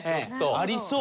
ありそう。